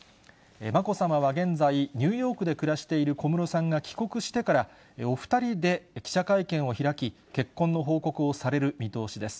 まこさまは現在、ニューヨークで暮らしている小室さんが帰国してから、お２人で記者会見を開き、結婚の報告をされる見通しです。